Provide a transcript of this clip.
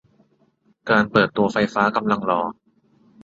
การเปิดตัวไฟฟ้ากำลังรอ